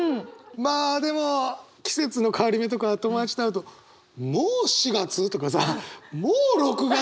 まあでも季節の変わり目とか友達と会うと「もう４月？」とかさ「もう６月？」